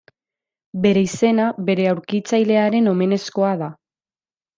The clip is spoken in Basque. Bere izena bere aurkitzailearen omenezkoa da.